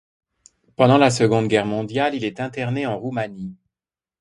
Pendant la Seconde Guerre mondiale il est interné en Roumanie.